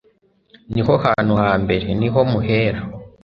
niho hantu ha mbere, niho muhera